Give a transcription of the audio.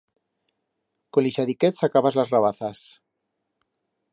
Con l'ixadiquet sacabas las rabazas.